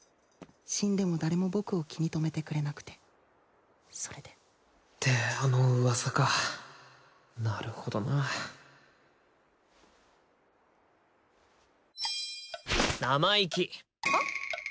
死んでも誰も僕を気にとめてくれなくてそれでであの噂かなるほどな生意気はっ？